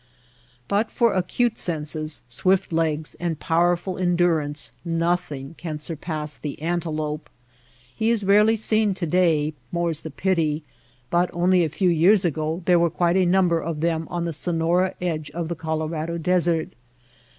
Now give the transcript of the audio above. But for acute senses, swift legs, and powerful endurance nothing can surpass the antelope. He is rarely seen to day (morels the pity !); but only a few years ago there were quite a number of them on the Sonora edge of the Colorado Desert.